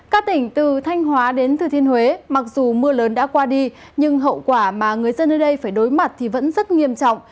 các tỉnh từ thanh hóa đến thừa thiên huế mặc dù mưa lớn đã qua đi nhưng hậu quả mà người dân ở đây phải đối mặt thì vẫn rất nghiêm trọng